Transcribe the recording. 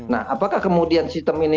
nah apakah kemudian sistem ini